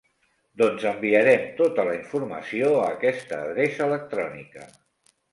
Doncs enviarem tota la informació a aquesta adreça electrònica.